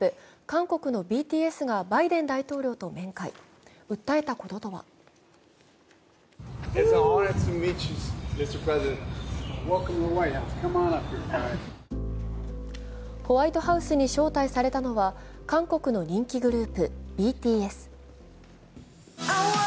韓国のＢＴＳがバイデン大統領と面会訴えたこととはホワイトハウスに招待されたのは韓国の人気グループ、ＢＴＳ。